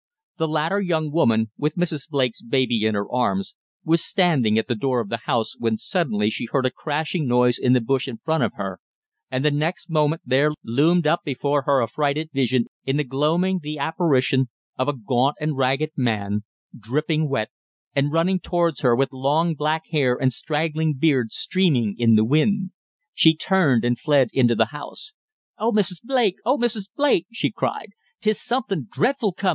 The latter young woman, with Mrs. Blake's baby in her arms, was standing at the door of the house, when suddenly she heard a crashing noise in the bush in front of her, and the next moment there loomed up before her affrighted vision in the gloaming the apparition of a gaunt and ragged man, dripping wet, and running towards her with long, black hair and straggling beard streaming in the wind. She turned and fled into the house. "O Mrs. Blake! O Mrs. Blake!" she cried, "'tis somethin' dreadful comin'!